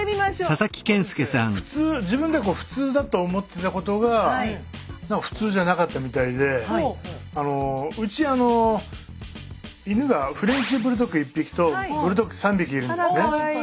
普通自分では普通だと思ってたことが普通じゃなかったみたいでうち犬がフレンチブルドッグ１匹とブルドッグ３匹いるんですね。